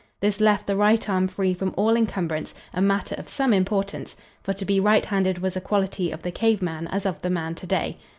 This left the right arm free from all encumbrance, a matter of some importance, for to be right handed was a quality of the cave man as of the man today.